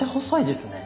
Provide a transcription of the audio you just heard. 細いんです。